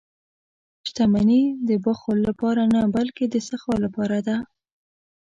• شتمني د بخل لپاره نه، بلکې د سخا لپاره ده.